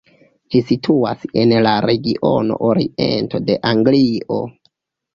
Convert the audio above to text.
Ĝi situas en la regiono oriento de Anglio.